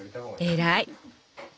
偉い！